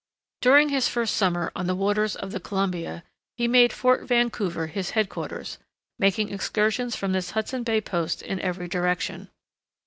During his first summer on the waters of the Columbia he made Fort Vancouver his headquarters, making excursions from this Hudson Bay post in every direction.